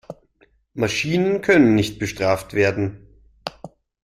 Maschinen können nicht bestraft werden.